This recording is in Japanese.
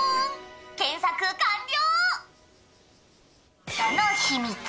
「検索完了！」